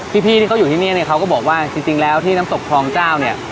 พี่ที่เขาอยู่ที่นี่เนี่ยเขาก็บอกว่าจริงแล้วที่น้ำตกคลองเจ้าเนี่ย